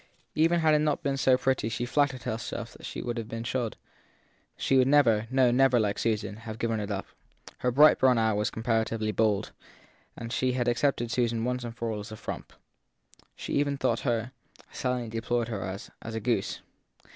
Even had it not been pretty she nattered herself it would have been shod : she would never no, never, like Susan have given it up. Her bright brown eye was comparatively bold, and she had accepted Susan once for all as a frump. She even thought her, and silently deplored her as, a goose.